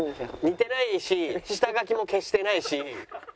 似てないし下書きも消してないし。